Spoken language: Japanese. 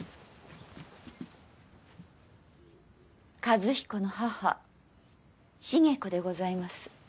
和彦の母重子でございます。